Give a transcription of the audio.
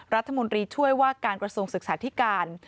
รัฐมนตรีช่วยว่าการกระทรวงศึกษาธิการ